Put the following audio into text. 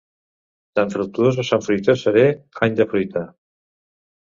Sant Fructuós o Sant Fruitós serè, any de fruita.